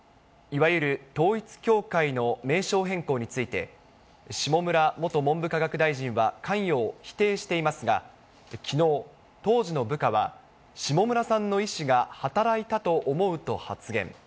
いわゆる統一教会の名称変更について、下村元文部科学大臣は関与を否定していますが、きのう、当時の部下は、下村さんの意思が働いたと思うと発言。